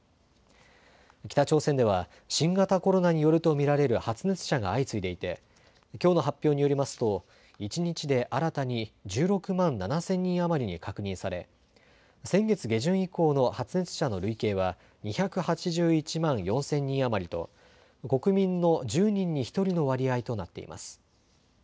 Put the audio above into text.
北朝鮮では新型コロナによると見られる発熱者が相次いでいてきょうの発表によりますと一日で新たに１６万７０００人余りに確認され、先月下旬以降の発熱者の累計は２８１万４０００人余りと国民の１０人に１人の割合となっています。